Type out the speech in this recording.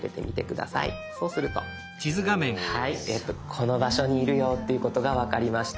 この場所にいるよっていうことが分かりました。